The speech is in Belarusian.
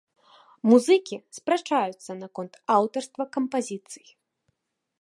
Музыкі спрачаюцца наконт аўтарства кампазіцый.